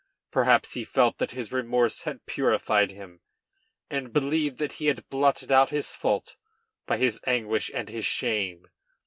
Perhaps he felt that his remorse had purified him, and believed that he had blotted out his fault by his anguish and his shame.